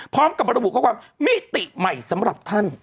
พร้อมกับระบุข้อความมิติใหม่สำหรับท่าน